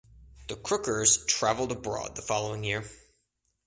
The Crookers traveled abroad the following year.